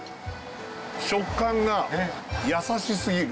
食感が優しすぎる。